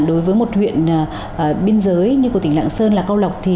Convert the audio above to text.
đối với một huyện biên giới như của tỉnh lạng sơn là cao lộc